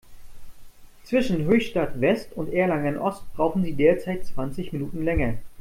Zwischen Höchstadt-West und Erlangen-Ost brauchen Sie derzeit zwanzig Minuten länger.